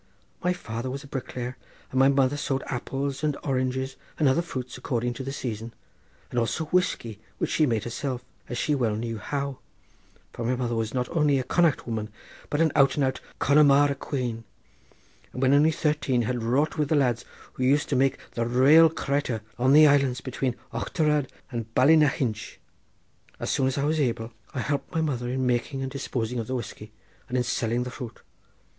My father was a bricklayer, and my mother sold apples and oranges and other fruits, according to the season, and also whiskey, which she made herself, as she well knew how; for my mother was not only a Connacht woman, but an out and out Connamara quean, and when only thirteen had wrought with the lads who used to make the raal cratur on the islands between Ochterard and Bally na hinch. As soon as I was able, I helped my mother in making and disposing of the whiskey and in selling the fruit.